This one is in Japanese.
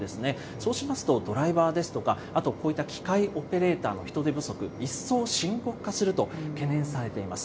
そうしますと、ドライバーですとか、あとこういった機械オペレーターの人手不足、一層深刻化すると懸念されています。